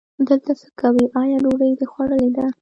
دلته څه کوې، آیا ډوډۍ دې خوړلې ده؟